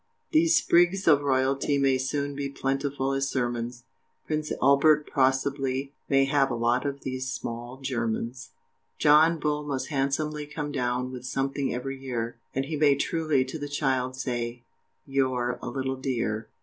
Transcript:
These sprigs of royalty may soon Be plentiful as sermons Prince Albert possibly may have A lot of these SMALL GERMANS! John Bull must handsomely come down With something every year, And he may truly to the child, Say, "You're a little dear!"